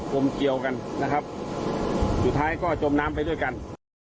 ผมเกี่ยวกันนะครับสุดท้ายก็จมน้ำไปด้วยกัน